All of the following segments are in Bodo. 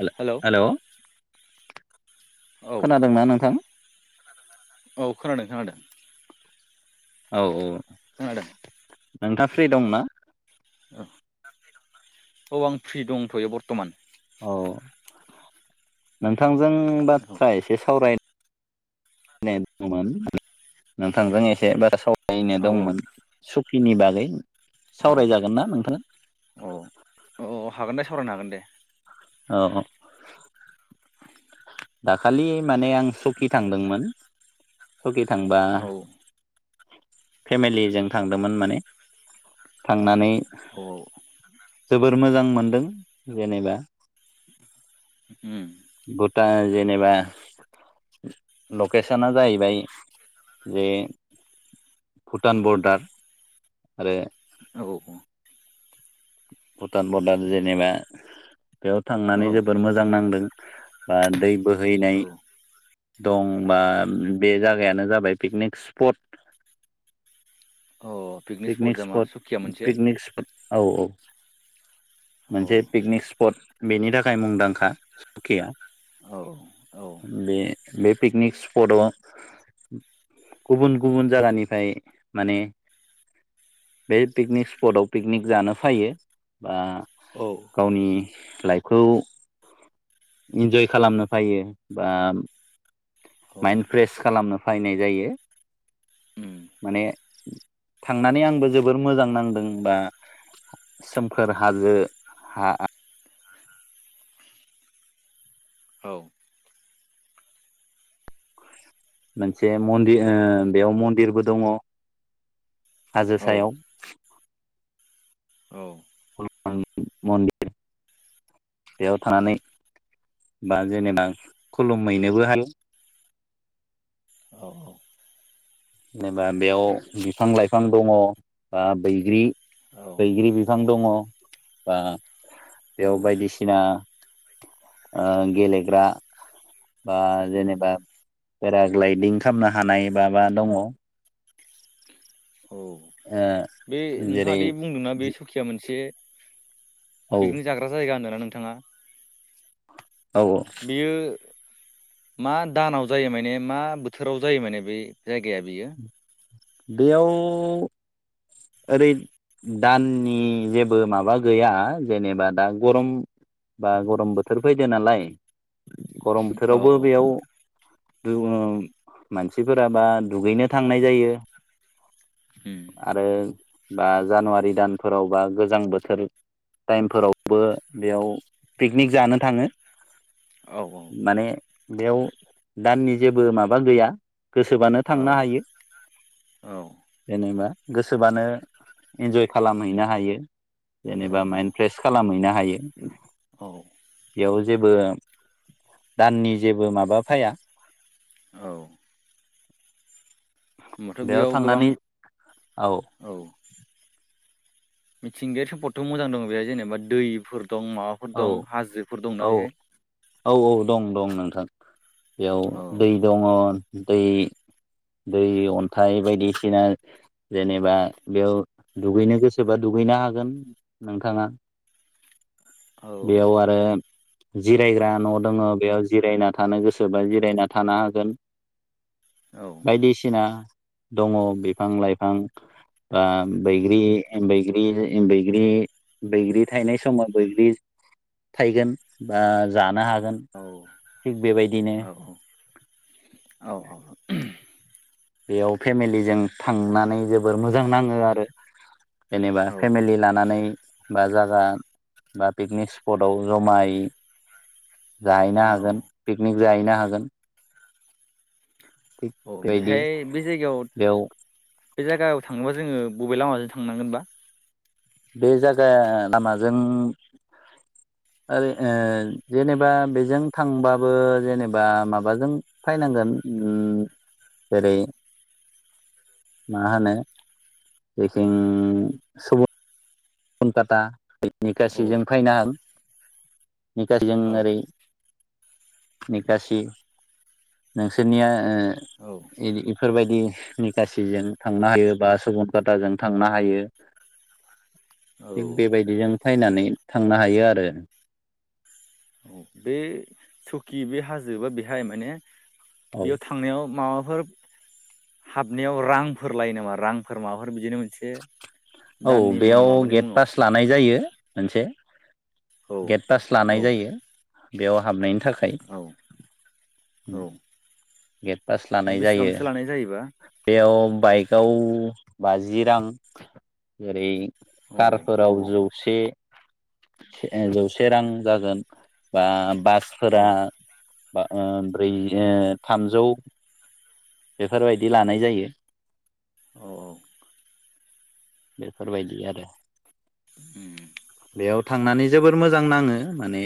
हेल हेलौ औ खोनादोंना नोंथां? औ खोनादों खोनादों। औ औ खोनादों नोंथांङा फ्रि दंना औ आं फ्रि दंथ'यो बरथमान औ नोंथांजों औ बाथ्रा एसे सावराय [unintelligible] नोंथांजों एसे बाथ्रा सावराय बायनो औ दंमोन सुखिनि बागै औ सावरायजागोन ना नोंथां? सरायनो हागोन दे। ओ औ दाखालि माने आं सकि थांदोंमोन सखि थांबा औ फेमिलिजों थांदोंमोन माने थांनानै औ जोबोर मोजां मोनदों जेनेबा उम भुटान जेनेबा लकेसना जाहैबाय जे भुटान बरडार आरो औ भुटान बरडार जेनेबा बेयाव औ थांनानै जोबोर मोजां नांदों। बा दै औ बोहैनाय दं बा बे जागायानो जाबाय पिकनिक स्पट औ पिकनिक जामा स्पट सुखिया मोनसे पिकनिक स्पत औ औ अ मोनसे पिकनिक स्पट बेनि थाखाय मुंदांखा सकिया औ औ बे बे पिकनिक स्पटआव गुबुन गुबुन जायगानिफ्राय माने बे पिकनिक स्पटआव पिकनिक जानो फायो। बा औ गावनि लाइफखौ इन्जय खालामनो फायो बा औ माइन्ड फ्रेस खालामनो फायनायनाय जायो उम [inaudible] माने थांनानै आंबो जोबोर मोजां नांदों बा सोमखोर हाजो हा औ। मोनसे मन्दिर ओ बेयाव मन्दिरबो दङ। हाजो औ सायाव‌। औ। आं मन्दिर। बेयाव थानानै बा जेनेबा खुलुमहैनोबो हायो। औ औ। जेनेबा बेयाव बिफां-लाइफां दङ बा बैग्रि औ बैग्रि बिफां दङ बा बेयाव बायदिसिना ओ गेलेग्रा बा जेनेबा पेराग्लायदिं खालामनो हानाय माबा दङ औ बे जेरै नोंथाङादि बुंदोंना बे सुखिया मोनसे औ पिकनिक जाग्रा जायगा होन्दोना नोंथाङा। औ [inaudible] बियो मा दानाव जायो माने मा बोथोराव जायो माने बे जायगाया बियो? बेयाव ओरै दाननि जेबो माबा गैया जेनेबा दा गरम बा गरम बोथोर फैदो नालाय गरम औ बोथोरावबो बेयाव दोङों मानसिफोराबा दुगैनो थांनाय जायो जायो। उम आरो बा जानुवारि दानफोराव बा गोजां बोथोर टाइमफोरावबो बेयाव पिकनिक जानो थाङो। औ माने बेयाव दाननि जेबो माबा गैया। गोसोबानो औ थांनो हायो। औ जेनबा गोसोबानो इन्जय खालामहैनो हायो। जेनेबा औ माइन फ्रेस खालामहैनो हायो। औ औ [inaudible] बेयाव जेबो दाननि जेबो माबा फाया। औ। होमबाथ' बेयाव गोबां [inaudible] औ [inaudible] मिथिंगायारि सम्पदथ' मोजां दं बेहाय जेनेबा दैफोर दं माबाफोर औ दं हाजोफोर औ दंना बेहाय? औ औ दं दं नोंथां बेयाव औ दै दङ दै दै, अन्थाइ बायदिसिना जेनेबा बेयाव दुगैनो गोसोबा दुग गैनो हागोन नोंथाङा। औ बेयाव आरो जिरायग्रा न' दङ बेयाव जिरायना थानो गोसोबा जिरायना थानो हागोन। औ बायदिसिना दङ बिफां-लाइफां। बा बैग्रि बैग्रि बैग्रि थायनाय समाव बैग्रि थाइगोन बा जानो हागोन औ थिग बेबायदिनो औ औ। बेयाव फेमिलिजों थांनानै जोबोर मोजां नाङो आरो। जेनेबा औ फेमिलि लानानै बा जागा बा पिकनिक स्पटआव ज'मायै जाहैनो औ हागोन पिकनिक जाहैनो हागोन। थिग औ बेबायदि बेहाय बे जायगायाव बेयाव बे जायगायाव थांनोबा जोङो बबे लामाजों थांनांगोनबा? बे जायगा लामाजों ओरै जेनब उम जेरै मा होनो जेजों सुबुं कनकाता औ निकासिजों फैयना निकासिजों औ ओरै निकासि नोंसोरनिया औ ओ इफोरबायदि निखासिजों थांनो हायो बा सुबनखाताजों थांनो हायो। औ थिग बेबायदिजों फैनानै थांनो हायो आरो औ बे सकि बे हाजोबा बेहाय माने औ बेयाव थांनायाव माबा माबाफोर हाबनायाव रांफोर लायो नामा रांफोर माबाफोर बिदिनो मोनसे औ दाननि मुङाव बेयाव माबानि गेट मुङाव पास लानाय जायो मोनसे औ गेट पास औ लानाय जायो बेयाव हाबनायनि थाख थाखाय औ औ गेट पास लानाय जायो बेसेबांसो लानाय जायोबा बेयाव बाइकआव बाजि रां एरै औ कारफोराव जौ जौसे रां जागोन औ फोरा ओ ब्रै ओ थामजौ बेफोरबायदि लानाय जायो औ बेफोरबायदि आरो उम बेयाव थांनानै जोबोर मोजां नाङो माने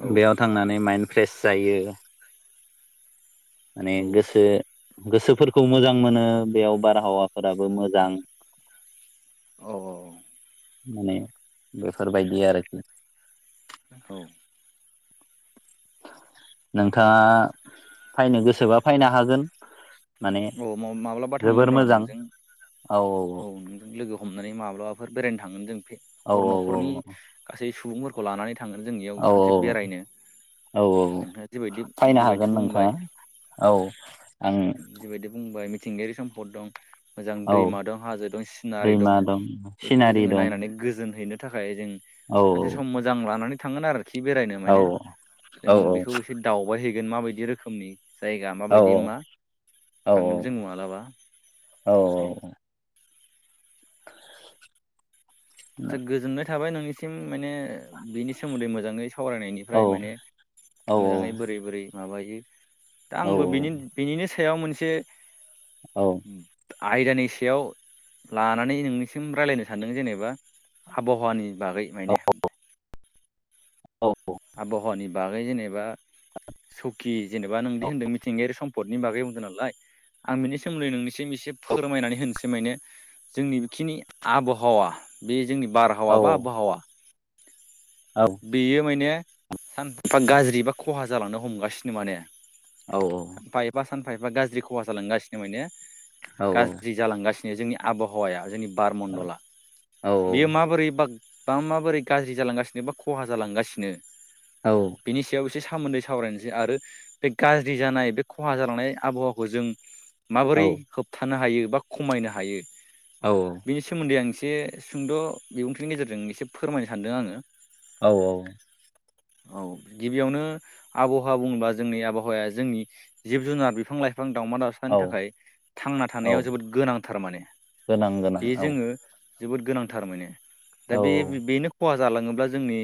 औ बेयाव थांनानै माइन्ड फ्रेश जायो माने गोसो गोसोफोरखौ मोजां मोनो बेयाव बारहावाफोराबो मोजां औ औ माने बेफोरबायदि आरोखि औ नोंथाङा फैनो गोसोबा फैनो हागोन माने औ माब्लाबा थांगोन जोबोर र' मोजां नोंजों औ नोंजों लोगो हमनानै माब्लाबाफोर बेरायनो थांगोन जों औ नखर औ न'खरनि गासै सुबुंफोरखौ लानानै थाङोन जोंनियाव खनसे बेरायनो औ औ नोंथाङा जिबायदि फैनो जिबायदि हागोन बुंबाय नोंथाङा औ आं जिबायदि बुंबाय मिथिंगायारि सम्द दं मोजां औ दैमा दं हाजो दं सिनारि दैमा दं बेखौ सिनारि जोङो दं नायनानै गोजोनहैनो थाखाय जों औ सानसे सम मोजां लानानै थांगोन आरो खि बेरायनो औ माने जों औ बेखौ एसे दावबाय हैैगोन माबायदि रोखोमनि जायगा औ माबायदि मा औ थांगोन जों माब्लाबा औ [unintelligible] आदसा गोजोननाय थाबाय नोंनिसिम माने बिनि सोमोन्दै मोजाङै औ सावरायनायनिफ्राय माने औ औ मोजाङै बोरै बोरै माबायो दा आंबोनि बेनिनो सायाव मोनसे आयदानि सायाव लानानै नोंनिसिम रायज्लायनो सानदों जेनेबा आबहावानि बागै मे हदों आबहावानि बागै जेनेबा सौकि जेनेबा नोंदि होनदों मिथिंगायारि सम भटनि बागै बुंदों नालाय आं बिनि सोमोन्दै नोंनिसिम एसे फोरमायनानै होनोसै माने जोंनि बेखिनि आबहावा बे जोंनि औ बारहावा बा आबहावा औ बेयो माने सानफा गाज्रि बा खहा जालांनो हमगासिनो माने औ सानफा एफा सानफा एफा गाज्रि खहा जालांगासिनो माने औ गाज्रि जालांगासिनो जोंनि आबहावाया जोंनि बारमण्डला औ बेयो माबोरै बा बा माबोरै गाज्रि जालांगासिनो बा खहा जालांगासिनो औ बिनि सायाव एसे सामोन्दै सावरायनोसै आरो बे गाज्रि जानाय बे खहा जालांनाय आबहावाखौ जों माबोरै औ होबथानो हायो बा खमायनो हायो बिनि सोमोन्दै आं एस से सुंद' बिबुंथिनि गेजेरजों एसे फोरमायनो सानदों आङो। औ औ। औ गिबियावनो आबहावा बुङोब्ला जोंनि आबहावाया जोंनि जिब जुनार बिफां लाइ फां दाउमा औ दावसानि थाखाय थांना थानायाव जोबोद गोनांथार माने। नांगोनां बे औ। जोङो जोबोद गोनांथार माने दा औ बे बेनो खहा जालाङोब्ला जोंनि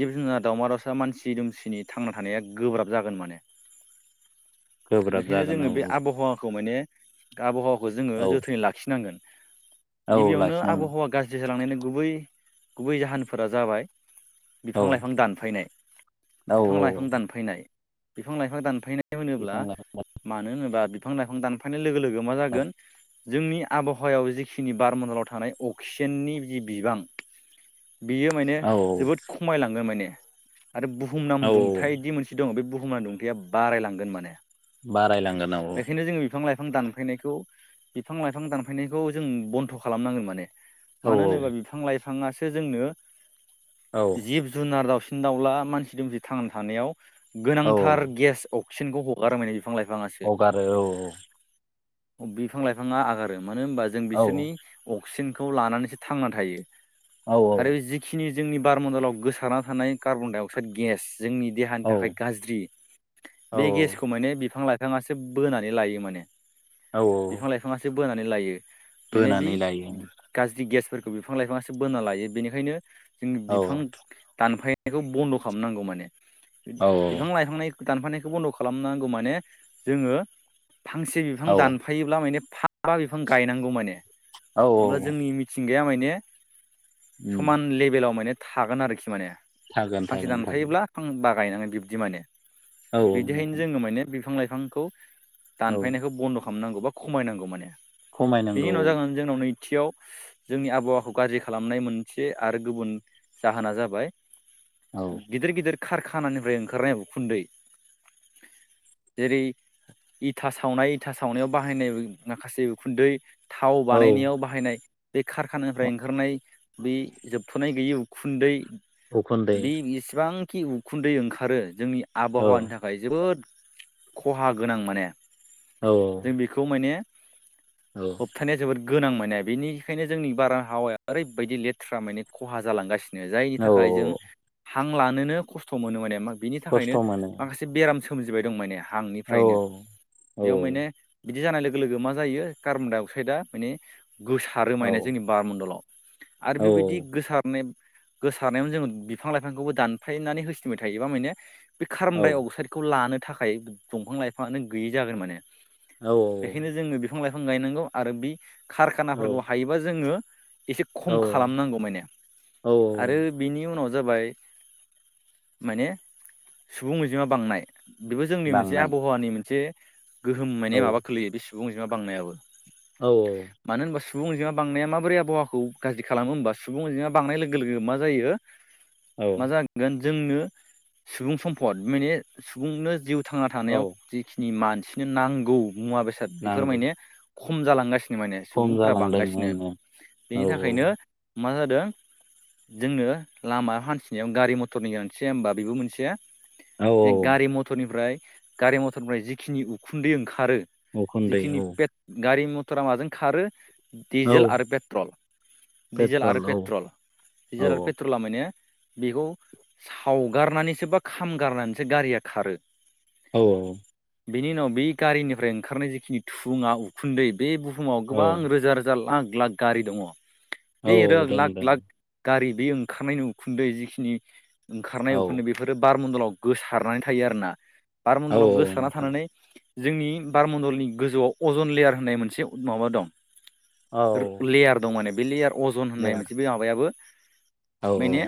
जिब जुनार, दाउमा दावसा, मानसि दुमसिनि थांना थानाया गोब्राब जागोन माने। [inaudible] गोब्राब बेखायनो जागोन औ जोङो बे आबहावा खौ माने आबहावाखौ जोङो औ जोथोनै लाखिनांगोन। औ गिबियावनो लाखिनांगोन आबहावा गाज्रि होलांनायनि गुबै गुबै जाहोनफोरा जाबाय औ बिफां लाइफां दानफायनाय, औ बिफां लाइफां दानफायनाय, बिफां लाइफां दानफायनाय होनोब्ला बिफां लाइफां मानो होनो बा बिफां लाइफां दानफायनाय लोगो लोगो मा औ जागोन जोंनि आबहावायाव जिखिनि बारमन्दलाव थानाय अ' सिजेननि बि बिबां [inaudible] बियो माने औ जोबोद खमायलांगोन माने आरो बुहुमनां औ दुंथाइदि मोनसे दं, बे बुहुमनां दुंथाया बारायलांगोन माने। बारायलांगोन औ औ। बेखायनो जोङो लाइफां बिफां दानफायनायखौ बिफां लाइफां दानफायनायखौ जों बन्द' खालामनांगोन माने। औ मानो होनोबा बिफां लाइफाङासो जोंनो औ जिब जुनार, दावसिन दावला, मानसि दुमसि थांना थानायाव औ गोनांथार गेस अक्सिजेनखौ हगारो माने। बिफां लाइफाङासो हगारो औ औ। बिफां लाइफाङा आगारो मानो होनबा जों औ बिसोरनि अक्सिजेनखौ लानानैसो थांना थायो। औ औ। बे जोंनि बारमन्दलाव गोसारना थानाय कार्बन डाइ अक्साइड गेस जोंनि देहानि औ थाखाय गाज्रि औ बे गेसखौ माने बिफां लाइ फांआसो बोनानै लायो माने औ बिफां लाइफांआसो बोनानै लायो। माने बे बोनानै लायो गाज्रि गेसफोरखौ बिफां लाइफाङासो बोना लायो बेनिखायनो जों औ बिफां दानफायनायखौ बन्द' खालामनांगौ माने बि औ बिफां लाइफांनाय दानफानायखौ बन्द' खालामनांगौ माने जोङो फांसे बिफां औ दानफायोब्ला माने फां बा बिफां गायनांगौ माने औ अब्ला जोंनि मिथिंगाया माने समान लेभेलाव माने थागोन आरोखि माने थागोन फांसे थागोन थागोन दानफायोब्ला फांबा गायनांगोन बिब्दि माने औ औ बिदिहायनो नोंथां जोङो माने बिफां लाइफांखौ औ दानफायनायखौ बन्द' खालामनांगौ बा खमायनांगौ माने बेनि खमायनांगौ उनाव जागोन जोंनाव नै थियाव जोंनि आबहावाखौ गाज्रि खालामनाय मोनसे आरो गुबुन जाहोना जाबाय औ गिदिर गिदिर कारखानानिफ्राय ओंखारनाय उखुन्दै जेरै इथा सावनाय इथा सावनायाव बाहायनाय माखासे उखुन्दै थाव औ बानायनायाव बाहायनाय बे कारखानानिफ्राय ओंखारनाय बे जोबथ'नाय गैयै उखुन्दै उखुन्दै बे इसिबां खि उखुन्दै ओंखारो जोंनि औ आबहावानि थाखाय जोबोद खहा गोनां माने औ जों बेखौ माने औ होबथानाया जोबोद गोनां मोने बेनिखायनो जोंनि बार हावाया ओरै बायदि लेथ्रा माने खहा जालांगासिनो जायनि औ थाखाय जों औ हां लानोनो खस्थ' मोनो माने मा बिनि थाखायनो खस्थ' मोनो माखासे बेराम सोमजिबाय दं माने। औ हांनिफ्रायनो औ बेयाव माने बिदि जानाय लोगो लोगो मा जायो कार्बन-डाइ अक्साइदआ माने गोसाार औ रोमायनाय जोंनि बार मणडलाव आरो औ बेबायदि गोसारनाय गोसारनायावनो जों बिफां लाइफांखौबो दानफायनानै होसिनबाय थायोबा माने बे औ कार्बनडाय अक्साइडखौ लानो थाखाय दंफां लाइफाङानो गैयि जागोन माने बेखायनो जोङो बिफां लाइफां गायनांगौ आरो बि औ खारखानाफोरखौ हायोबा जोङो एसे औ खम खालामनांगौ माने आरो औ बिनि उनाव जाबाय माने सुबुं अजिमा बांनाय बेबो जोंनि मोनसे बांनाय आबहावानि मोनसे गोहोम औ माने माबा खोलैयो बे सुबुं अजिमा बांनायाबो औ औ मानो होनबा सुबुं अनजिमा बांनाया माबोरै आबहावाखौ गाज्रि खालामो होनबा सुबुं अनजिमा बांनाय लोगो लोगो मा जायो औ मा जागोन जोंनो सुबुं सम्फद माने सुबुंनो जिउ थांना थानायाव औ जिखिनि मानसिनो नांगौ मुवा बेसाद बेफोर नांगौ माने खम जालांगासिनो नि माने खम सुबुंफोरा जालांदों औ बांगासिनो बेनि औ थाखायनो मा जादों? जोंनो लामा हान्थिनायाव गारि मथरनि गोनांथि होनबा बेबो मोनसे औ गारि मथरनिफ्राय गारि मथरनिफ्राय जिखिनि उखुन्दै ओंखारो उखुन्दै जिखिनि औ गारि मथरा माजों खारो औ डिजेल आरो पेट्रल दिजेल आरो पेट्रल औ डिजेल आरो पेट्रला माने बेखौ सावगारनानैसो बा खामगारनानैसो गारिया खारो औ औ। बिनि उनाव बै गारिनिफ्राय ओंखारनाय जिखिनि थुुङा उखुन्दै बे बुहुमाव औ गोबां रोजा रोजा लाख लाख गारि दङ औ बे दों लाख दों लाख गारि बे ओंखारनायनि उखुन्दै जिखिनि ओंखारनाय औ उखुन्दै बेफोरो बार बार मन्दलाव गोसारनानै थायो आरोना बार औ मन्दलाव औ गोसारना नोंथां थानानै जोंनि बारमण्डलनि गोजौआव अजन लेयार होननाय मोनसे माबा दं औ लेयार दं माने बे लेयार अजन दे होननाय मोनसे बे माबायाबो औ औ। माने